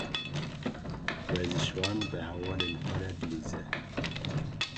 Werzişvan bi hevalên xwe re dilîze.